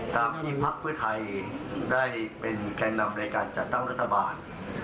ตามที่พักเพื่อไทยได้เป็นแก่นำในการจัดตั้งรัฐบาล